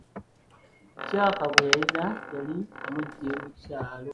Jack gwe yalina yali amugye mu kyalo.